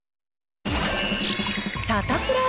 サタプラ。